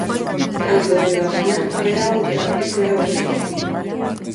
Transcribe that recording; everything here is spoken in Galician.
Ás doce da mañá haberá outra e será oficial.